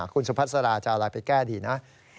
คุณสุพัสราจะเอาอะไรไปแก้ดีนะ